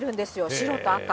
白と赤。